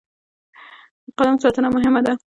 د قلم ساتنه مهمه ده.